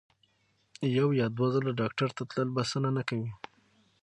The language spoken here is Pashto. یو یا دوه ځله ډاکټر ته تلل بسنه نه کوي.